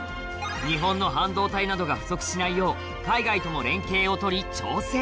日本の半導体などが不足しないよう海外とも連携を取り調整